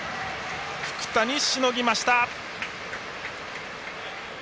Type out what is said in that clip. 福谷、しのぎました。